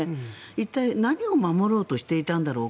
一体何を守ろうとしていたんだろう。